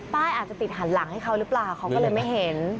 อาจจะติดหันหลังให้เขาหรือเปล่าเขาก็เลยไม่เห็น